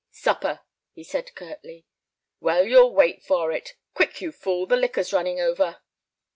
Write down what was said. "Supper," he said, curtly. "Well, you'll wait for it. Quick, you fool, the liquor's running over."